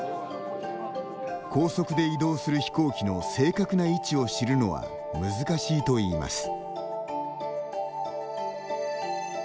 高速で移動する飛行機の正確な位置を知るのは難しいといいます。